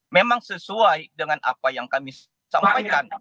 memang sesuai dengan apa yang kami sampaikan